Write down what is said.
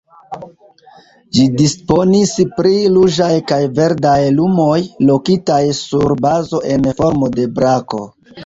Ĝi disponis pri ruĝaj kaj verdaj lumoj, lokitaj sur bazo en formo de brako.